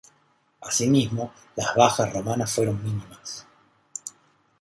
Asimismo, las bajas romanas fueron mínimas.